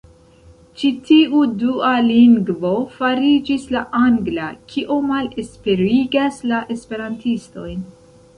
Ĉi tiu dua lingvo fariĝis la angla, kio malesperigas la esperantistojn.